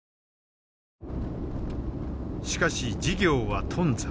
しかし事業は頓挫。